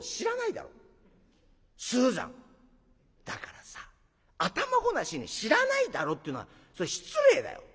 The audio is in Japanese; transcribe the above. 「だからさ頭ごなしに『知らないだろ』って言うのはそれ失礼だよ。